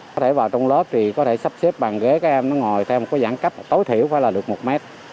có thể vào trong lớp thì có thể sắp xếp bàn ghế các em nó ngồi theo một cái giãn cách tối thiểu phải là được một mét